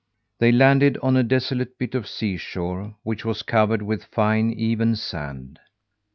They landed on a desolate bit of seashore, which was covered with fine, even sand.